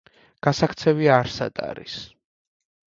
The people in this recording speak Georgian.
გასაქცევი არსად არის!